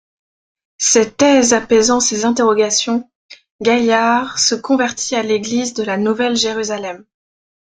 Ces thèses apaisant ses interrogations, Gailliard se convertit à l'Église de la Nouvelle Jérusalem.